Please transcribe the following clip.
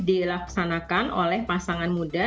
dilaksanakan oleh pasangan muda